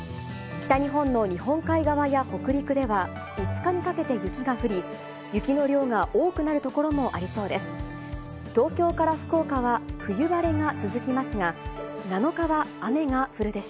北日本の日本海側や北陸では５日にかけて雪が降り、雪の量が多くなる所もありそうです。